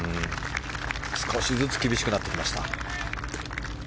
少しずつ厳しくなってきました。